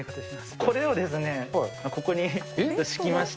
これをですね、ここに敷きまして。